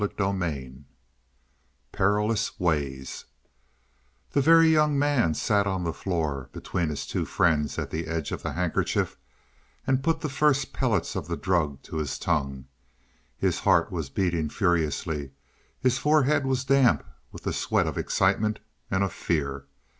CHAPTER XIII PERILOUS WAYS The Very Young Man sat on the floor, between his two friends at the edge of the handkerchief, and put the first pellets of the drug to his tongue. His heart was beating furiously; his forehead was damp with the sweat of excitement and of fear.